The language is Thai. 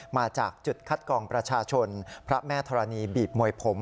มาจากจุดคัดกองประชาชนพระแม่ธรณีบีบมวยผม